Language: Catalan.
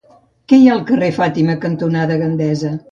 Què hi ha al carrer Fàtima cantonada Gandesa?